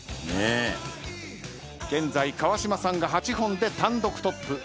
現在川島さんが８本で単独トップ。